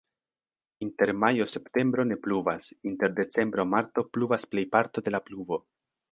Inter majo-septembro ne pluvas, inter decembro-marto pluvas plejparto de la pluvo.